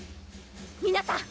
皆さん！